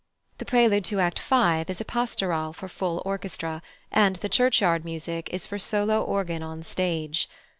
The prelude to Act v. is a pastorale for full orchestra, and the churchyard music is for solo organ on stage.